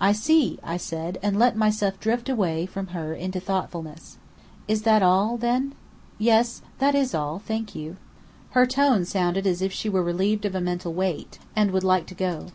"I see," I said; and let myself drift away from her into thoughtfulness. "Is that all, then?" "Yes, that is all, thank you." Her tone sounded as if she were relieved of a mental weight, and would like to go.